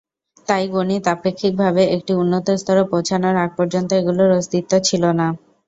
তাই গণিত আপেক্ষিকভাবে একটি উন্নত স্তরে পৌঁছানোর আগ পর্যন্ত এগুলির অস্তিত্ব ছিল না।